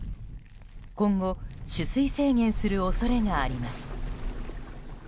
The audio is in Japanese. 今後取水制限する恐れがあります。